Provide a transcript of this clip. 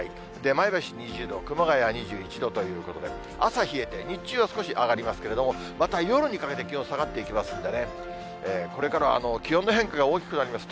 前橋２０度、熊谷２１度ということで、朝、冷えて、日中は少し上がりますけれども、また夜にかけて気温下がっていきますんでね、これから気温の変化が大きくなります。